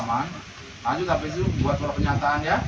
lanjut abis itu buat penyataan ya